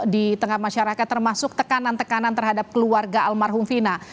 di tengah masyarakat termasuk tekanan tekanan terhadap keluarga almarhum vina